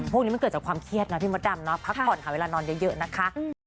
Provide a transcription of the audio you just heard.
พวกนี้มันเกิดจากความเครียดนะพี่มดดำเนาะพักผ่อนหาเวลานอนเยอะนะคะ